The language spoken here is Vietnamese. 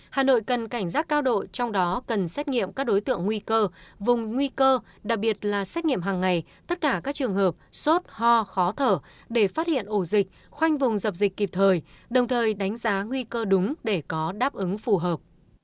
hà nội cần cảnh giác cao độ trong đó cần xét nghiệm các đối tượng nguy cơ vùng nguy cơ đặc biệt là xét nghiệm hàng ngày tất cả các trường hợp sốt ho khó thở để phát hiện ổ dịch khoanh vùng dập dịch kịp thời đồng thời đánh giá nguy cơ đúng để có đáp ứng phù hợp